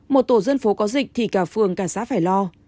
một tổ dân phố có dịch thì cả phường cả xã phải lo